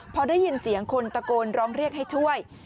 พอได้ยินเสียงคนตะโกนร้องเรียกให้ช่วย